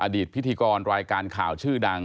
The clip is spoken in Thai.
พิธีกรรายการข่าวชื่อดัง